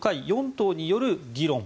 党による議論